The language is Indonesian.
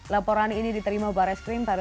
laporan ini diterima baris krimpori